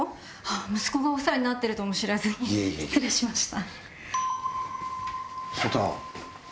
息子がお世話になってるとも知らずに失礼しました。